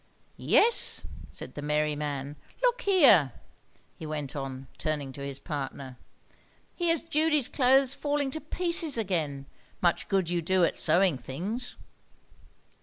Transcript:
"Yes," said the merry man. "Look here," he went on, turning to his partner, "here's Judy's clothes falling to pieces again. Much good you do at sewing things."